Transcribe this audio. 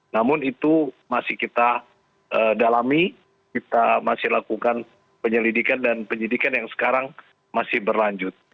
namun itu masih kita dalami kita masih lakukan penyelidikan dan penyidikan yang sekarang masih berlanjut